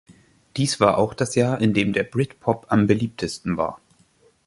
Dies war auch das Jahr, in dem der Britpop am beliebtesten war.